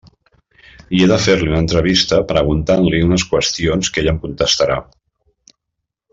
I he de fer-li una entrevista preguntant-li unes qüestions que ell em contestarà.